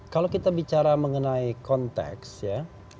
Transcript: kalau kita bicara mengenai konteks ya